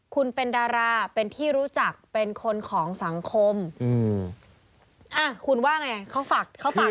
คุณเป็นดาราเป็นที่รู้จักเป็นคนของสังคมอืมอ่ะคุณว่าไงเขาฝากเขาฝาก